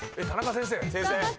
先生！